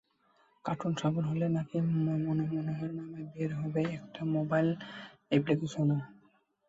Cartoon সফল হলে নাকি মরিনহোর নামে বের হবে একটা মোবাইল অ্যাপ্লিকেশনও।